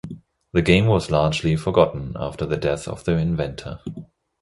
The game was largely forgotten after the death of the inventor.